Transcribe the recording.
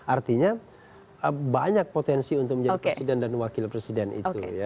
artinya banyak potensi untuk menjadi presiden dan wakil presiden itu